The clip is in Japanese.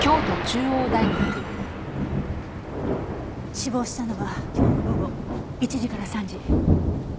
死亡したのは今日の午後１時から３時。